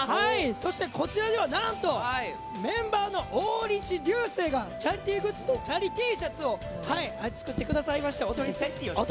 そしてこちらではなんと、メンバーの大西流星がチャリティーグッズとチャリＴシャツを作ってくださいました。